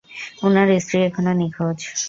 উনার স্ত্রী এখনো নিখোঁজ।